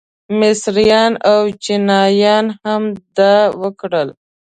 مصریان او چینیان هم دا وکړل.